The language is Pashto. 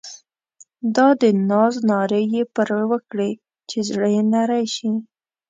دا د ناز نارې یې پر وکړې چې زړه یې نری شي.